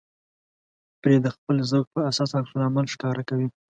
پرې د خپل ذوق په اساس عکس العمل ښکاره کوي.